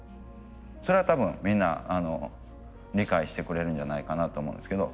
それは多分みんな理解してくれるんじゃないかなと思うんですけど。